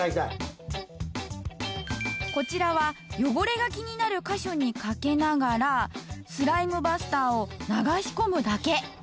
こちらは汚れが気になる箇所にかけながらスライムバスターを流し込むだけ。